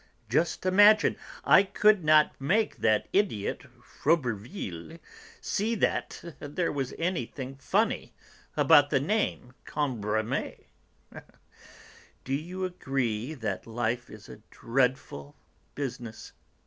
Just imagine, I could not make that idiot Froberville see that there was anything funny about the name Cambremer. Do agree that life is a dreadful business.